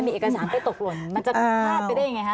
มันมีเอกสารได้ตกหลวนมันจะพลาดไปได้อย่างไรคะ